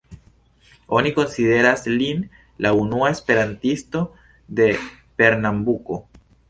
Oni konsideras lin la unua esperantisto de Pernambuko.